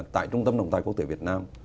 tại trung tâm đồng tài quốc tế việt nam